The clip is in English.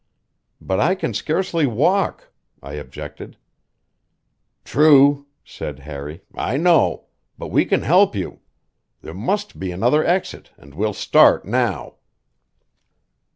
"But I can scarcely walk," I objected. "True," said Harry. "I know. But we can help you. There must be another exit, and we'll start now."